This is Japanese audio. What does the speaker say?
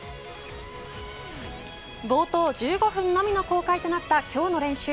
冒頭１５分のみの公開となった今日の練習。